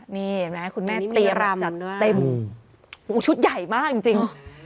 นี่เห็นไหมคุณแม่เตรียมจัดเต็มชุดใหญ่มากจริง